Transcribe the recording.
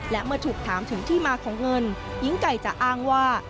และเมื่อถูกถามถึงที่มาของเงินหญิงไก่จะอ้างว่า